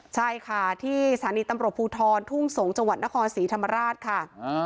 ใช่ค่ะที่สถานีตำรวจภูทรทุ่งสงศ์จังหวัดนครศรีธรรมราชค่ะ